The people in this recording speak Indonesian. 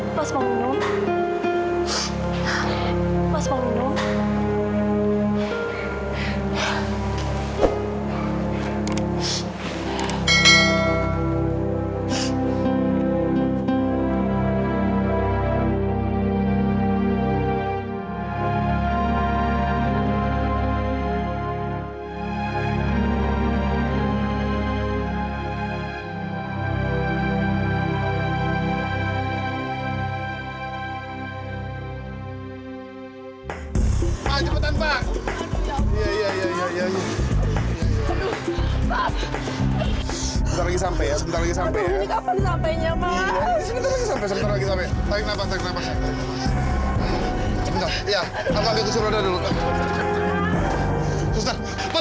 mas apa tidak cukup